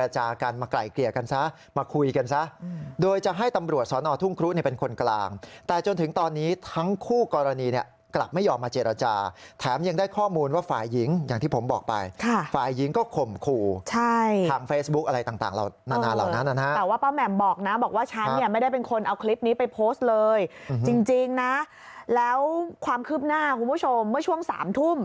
จริงนะแล้วความคืบหน้าคุณผู้ชมเมื่อช่วง๓ทุ่ม